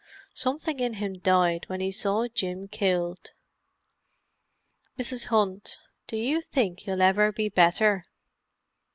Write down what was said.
Something in him died when he saw Jim killed. Mrs. Hunt—do you think he'll ever be better?"